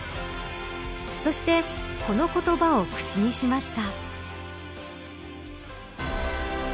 そしてこの言葉を口にしました。